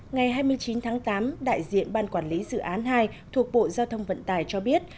ngày hai mươi chín tháng tám đại diện ban quản lý dự án hai thuộc bộ giao thông vận tài cho biết